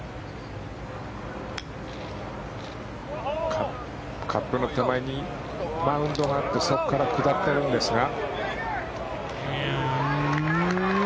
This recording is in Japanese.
カップの手前にマウンドがあってそこから下ってるんですが。